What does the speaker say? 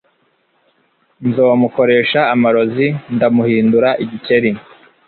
Nzomukoresha amarozi ndamuhindura igikeri.